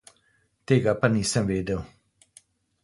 Tega pa nisem vedel.